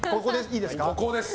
ここです。